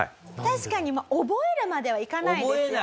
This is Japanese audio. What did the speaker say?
確かに覚えるまではいかないですよね。